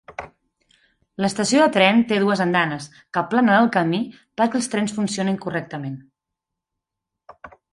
L'estació de tren té dues andanes que aplanen el camí perquè els trens funcionin correctament.